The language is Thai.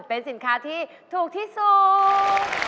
เป็นสินค้าที่ถูกที่สุด